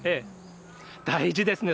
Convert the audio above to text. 大事ですね。